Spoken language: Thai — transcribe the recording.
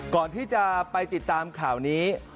ก่อนที่จะไปติดตามข่าวนี้